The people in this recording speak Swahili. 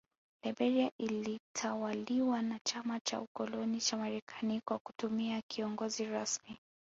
Liberia ilitawaliwa na Chama cha Ukoloni cha Marekani kwa kumtumia kiongozi rasmi